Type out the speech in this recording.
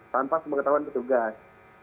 tanpa pengetahuan petugas